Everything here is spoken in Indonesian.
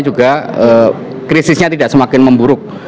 juga krisisnya tidak semakin memburuk